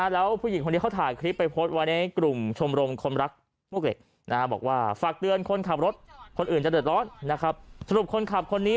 แล้วผู้หญิงคนนี้เขาถ่ายคลิปไปโพสต์วันนี้กลุ่มชมรมคมรักมวกเหล็ก